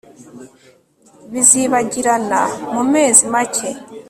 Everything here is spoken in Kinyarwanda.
Bizibagirana mumezi make